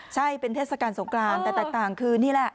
ใช่เป็นเทศกาลสงกรานแต่แตกต่างคือนี่แหละ